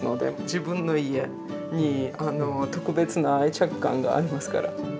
自分の家に特別な愛着感がありますから。